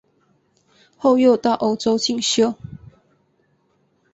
后又到欧洲进修。